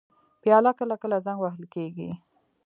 پیاله کله کله زنګ وهل کېږي.